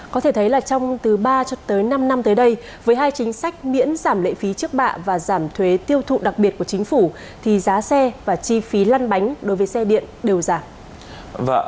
có thể thấy là trong từ ba cho tới năm năm tới đây với hai chính sách miễn giảm lệ phí trước bạ và giảm thuế tiêu thụ đặc biệt của chính phủ thì giá xe và chi phí lăn bánh đối với xe điện đều giảm